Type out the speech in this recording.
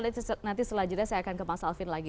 nanti setelah jeda saya akan ke mas alvin lagi